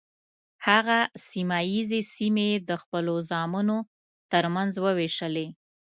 هغه سیمه ییزې سیمې یې د خپلو زامنو تر منځ وویشلې.